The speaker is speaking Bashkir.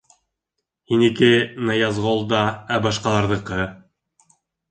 — Һинеке Ныязғолда, ә башҡаларҙыҡы?